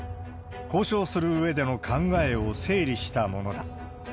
交渉する上での考えを整理したものだ。